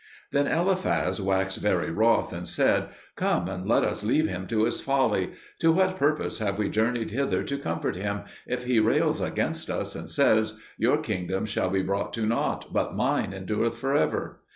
Then Eliphaz waxed very wroth, and said, "Come, and let us leave him to his folly. To what purpose have we journeyed hither to comfort him, if he rails against us and says, 'Your kingdom shall be brought to nought, but mine endureth for ever'?"